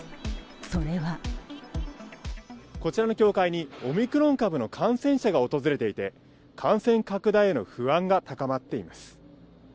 それはこちらの教会にオミクロン株の感染者が訪れていて、感染拡大への不安が高まっています。